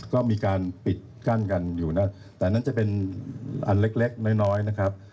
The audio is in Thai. ก็มีการปิดกั้นกันอยู่นะแต่นั่นจะเป็นอันเล็กเล็กน้อยนะครับ